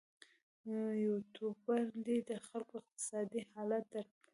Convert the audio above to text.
یوټوبر دې د خلکو اقتصادي حالت درک کړي.